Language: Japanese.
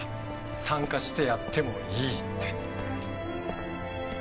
参加してやってもいいって。